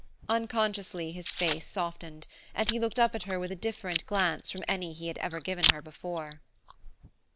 Unconsciously his face softened, and he looked up at her with a different glance from any he had ever given her before.